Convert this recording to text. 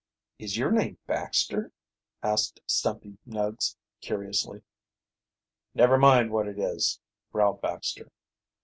"Is your name Baxter?" asked asked Stumpy Nuggs, curiously. "Never mind what it is," growled Baxter.